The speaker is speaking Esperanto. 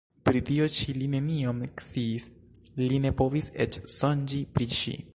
Pri tio ĉi li nenion sciis, li ne povis eĉ sonĝi pri ŝi.